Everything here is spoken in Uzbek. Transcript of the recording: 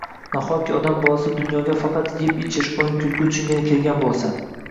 Nahotki odam bolasi dunyoga faqat yeb-ichish, o‘yin-kulgi uchungina kelgan bo‘lsa?!